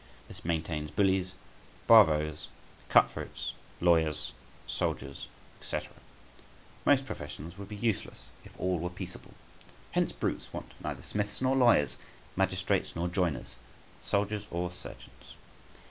This maintains bullies, bravoes, cut throats, lawyers, soldiers, &c. Most professions would be useless if all were peaceable. Hence brutes want neither smiths nor lawyers, magistrates nor joiners, soldiers or surgeons.